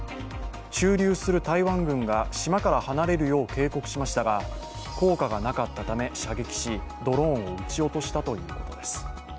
駐留する台湾軍が島から離れるよう警告しましたが効果がなかったため、射撃しドローンを撃ち落としたということです。